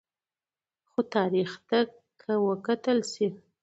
خو تاریخ ته که وکتل شي